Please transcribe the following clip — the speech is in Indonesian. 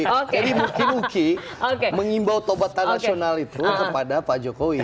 jadi mungkin uki mengimbau tobatan nasional itu kepada pak jokowi